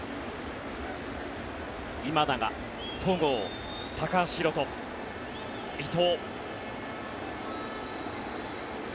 今永、戸郷、高橋宏斗、伊藤。